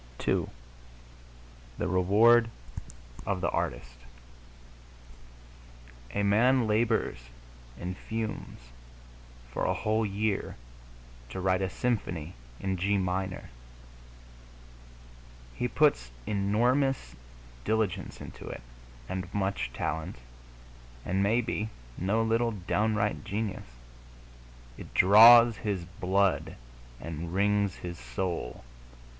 II THE REWARD OF THE ARTIST A man labors and fumes for a whole year to write a symphony in G minor. He puts enormous diligence into it, and much talent, and maybe no little downright genius. It draws his blood and wrings his soul.